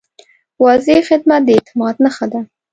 واضح خدمت د اعتماد نښه ده.